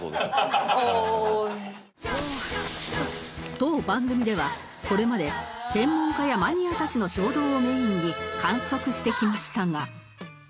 当番組ではこれまで専門家やマニアたちの衝動をメインに観測してきましたが